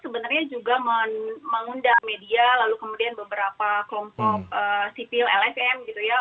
sebenarnya juga mengundang media lalu kemudian beberapa kelompok sipil lsm gitu ya